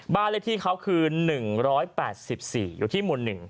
บ้านเลขที่เขาคือ๑๘๔อยู่ที่หมู่๑